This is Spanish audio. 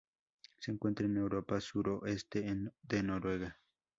Se encuentra en Europa: suroeste de Noruega.